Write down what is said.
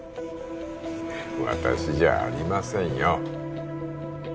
私じゃありませんよ